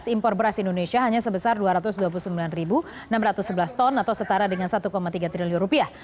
impor beras indonesia hanya sebesar dua ratus dua puluh sembilan enam ratus sebelas ton atau setara dengan satu tiga triliun rupiah